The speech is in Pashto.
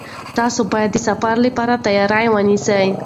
تاسي باید د سفر لپاره تیاری ونیسئ.